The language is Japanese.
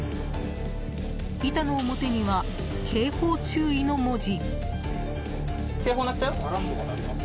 板の表には「警報注意」の文字。